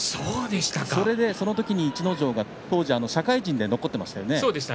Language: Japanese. その時、逸ノ城が当時、社会人で残っていましたよね。